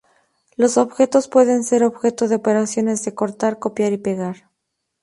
Los objetos pueden ser objeto de operaciones de cortar, copiar y pegar.